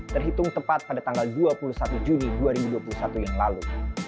terhitung tepat pada tanggal dua puluh satu juni dua ribu dua puluh satu yang lalu